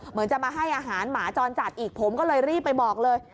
เหมือนจะมาให้อาหารหมาจรจัดอีกผมก็เลยรีบไปบอกเลย